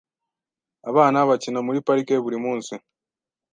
Abana bakina muri parike buri munsi .